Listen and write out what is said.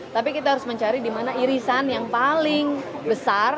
tapi kita harus mencari di mana irisan yang paling besar